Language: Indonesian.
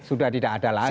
sudah tidak ada lagi